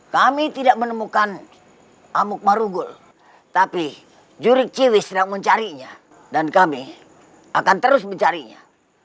kami tidak menemukan amuk marunggul tapi jurik cw sedang mencarinya dan kami akan terus mencarinya